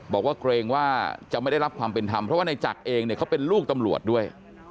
บอกว่าเกรงว่าจะไม่ได้รับความเป็นธรรมเพราะว่าในจักรเองเนี่ยเขาเป็นลูกตำรวจด้วย